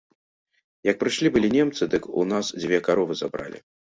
Як прыйшлі былі немцы, дык у нас дзве каровы забралі.